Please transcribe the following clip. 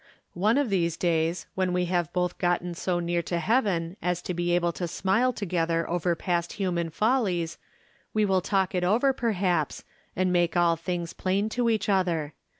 One of these days, when we have both gotten so near to heaven as to be able to smile together over past human follies, we will talk it over, perhaps, and make all tilings plain to each other.